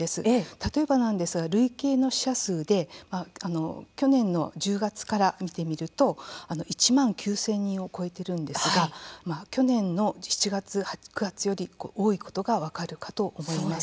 例えばなんですが累計の死者数で去年の１０月から見てみると１万９０００人を超えてるんですが去年の７月、９月より多いことが分かるかと思います。